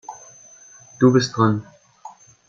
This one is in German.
Du bist dran.